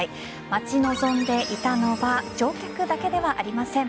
待ち望んでいたのは乗客だけではありません。